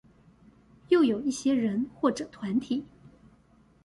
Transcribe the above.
又有一些人或者團體